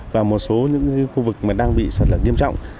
và một số những khu vực mà đang bị sạt lở nghiêm trọng